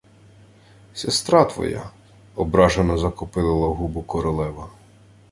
— Сестра твоя... — ображено закопилила губу королева.